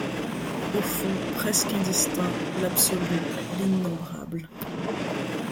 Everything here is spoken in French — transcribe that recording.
Au fond, presque indistincts, l’absolu, l’innombrable